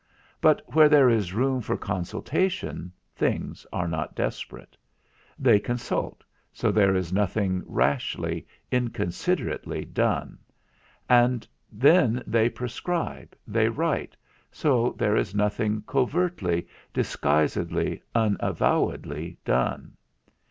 But where there is room for consultation things are not desperate. They consult, so there is nothing rashly, inconsiderately done; and then they prescribe, they write, so there is nothing covertly, disguisedly, unavowedly done.